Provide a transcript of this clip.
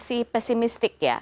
ada yang masih pesimistik ya